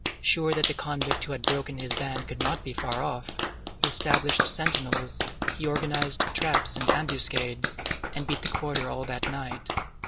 Sure that the convict who had broken his ban could not be far off, he established sentinels, he organized traps and ambuscades, and beat the quarter all that night.